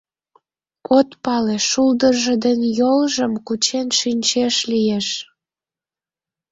От пале, шулдыржо ден йолжым кучен шинчеш лиеш.